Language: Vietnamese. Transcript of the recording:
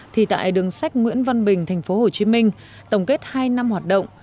thì tại đường sách nguyễn văn bình tp hcm tổng kết hai năm hoạt động